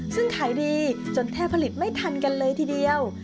ซึ่งขายดีจนแทบผลิตไม่ทันกันเลยทีเดียว